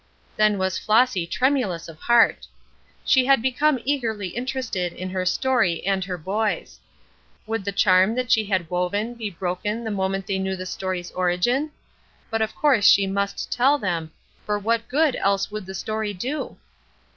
Then was Flossy tremulous of heart. She had become eagerly interested in her story and her boys. Would the charm that she had woven be broken the moment they knew the story's origin? But of course she must tell them, for what good else would the story do?